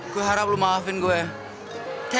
gua harap lu maafin gue